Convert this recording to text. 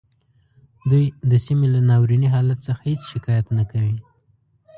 دوی د سیمې له ناوریني حالت څخه هیڅ شکایت نه کوي